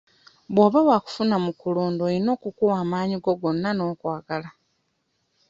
Bw'oba waakufuna mu kulunda oyina okukuwa amaanyi go gonna n'okwagala.